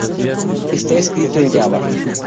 Está escrito en Java.